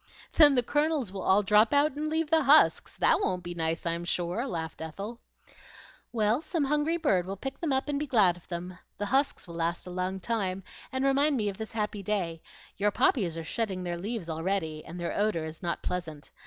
"Then the kernels will all drop out and leave the husks; that won't be nice, I'm sure," laughed Ethel. "Well, some hungry bird will pick them up and be glad of them. The husks will last a long time and remind me of this happy day; your poppies are shedding their leaves already, and the odor is not pleasant.